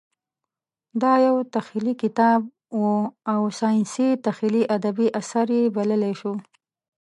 دا یو تخیلي کتاب و او ساینسي تخیلي ادبي اثر یې بللی شو.